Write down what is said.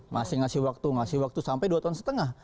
masih ngasih waktu ngasih waktu sampai dua tahun setengah